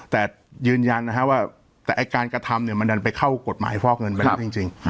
แต่ยืนยันนะฮะว่าแต่การกระทำเนี่ยมันดันไปเข้ากฎหมายฟอกเงินไปแล้วจริง